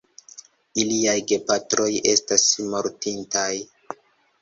Iliaj gepatroj estas mortintaj.